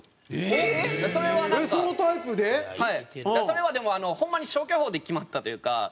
それはでもホンマに消去法で決まったというか。